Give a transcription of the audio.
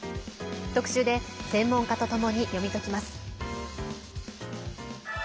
特集で専門家とともに読み解きます。